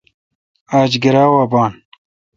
آج گرا وا بان۔